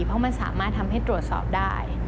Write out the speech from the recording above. เพราะมันสามารถทำให้ตรวจสอบได้